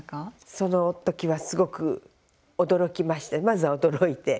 その時はすごく驚きましてまず驚いて。